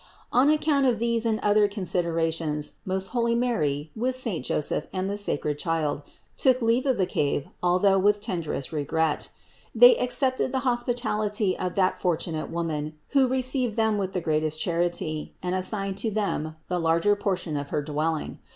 575. On account of these and other considerations most holy Mary, with saint Joseph and the sacred Child took leave of the cave although with tenderest regret. They accepted the hospitality of that fortunate woman, who received them with the greatest charity and assigned to them the larger portion of her dwelling.